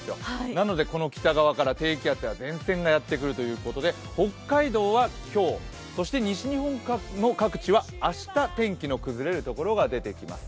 なのでこの北側から低気圧や前線がやってくるということで北海道は今日、西日本の各地は明日天気の崩れるところが出てきます。